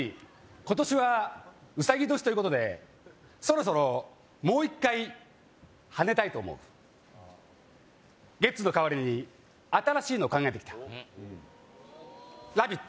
今年はうさぎ年ということでそろそろもう一回跳ねたいと思うゲッツの代わりに新しいのを考えてきたラビッツ！